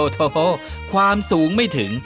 โถความสูงไม่ถึง